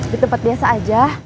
di tempat biasa aja